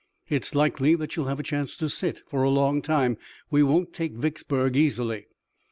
"It's likely that you'll have a chance to sit for a long time. We won't take Vicksburg easily."